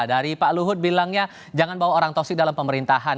dari pak luhut bilang ya jangan bawa orang toksik dalam pemerintahan